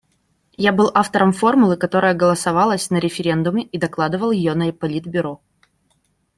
Я был автором формулы, которая голосовалась на референдуме и докладывал её на Политбюро.